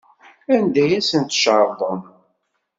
Anda ay asent-tcerḍem?